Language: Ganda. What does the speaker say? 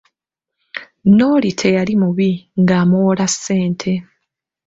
N'oli teyali mubi, ng'amuwola ssente.